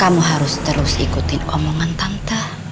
kamu harus terus ikutin omongan tante